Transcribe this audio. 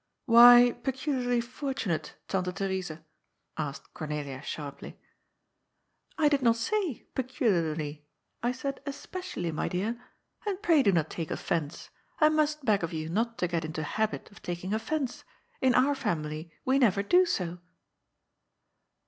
"Why * peculiarly fortunate,' Tante Theresa?" asked Cornelia sharply. " I did not say ' peculiarly '; I said ' especially,' my dear. And pray do not take offence. I must beg of you not to get into a habit of taking offence. In our family we never do so."